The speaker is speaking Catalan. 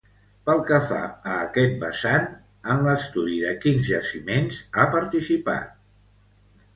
Pel que fa a aquest vessant, en l'estudi de quins jaciments ha participat?